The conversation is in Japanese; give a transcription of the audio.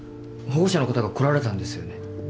保護者の方が来られたんですよね？